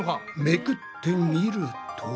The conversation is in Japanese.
めくってみると。